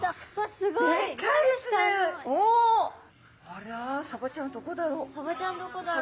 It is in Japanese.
あらサバちゃんどこだろう？